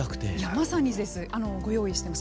まさにご用意しています。